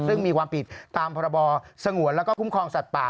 ซึ่งมีความผิดตามพรบสงวนแล้วก็คุ้มครองสัตว์ป่า